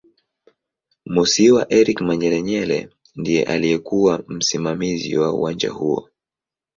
Musiiwa Eric Manyelenyele ndiye aliyekuw msimamizi wa uwanja huo